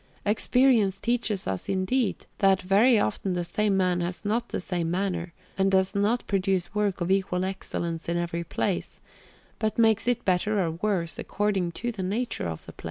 Experience teaches us, indeed, that very often the same man has not the same manner and does not produce work of equal excellence in every place, but makes it better or worse according to the nature of the place.